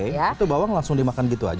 itu bawang langsung dimakan gitu aja